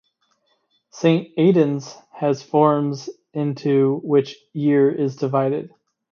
Saint Aidan's has forms into which each year is divided.